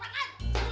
apa lu sih